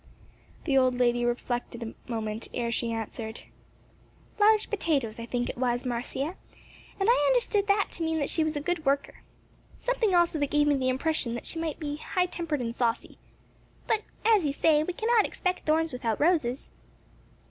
The old lady reflected a moment ere she answered. "Large potatoes, I think it was, Marcia; and I understood it to mean that she was a good worker. Something also that gave me the impression that she might be high tempered and saucy. But as you say, we cannot expect thorns without roses."